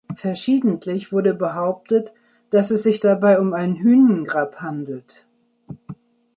Verschiedentlich wurde behauptet, dass es sich dabei um ein Hünengrab handelt.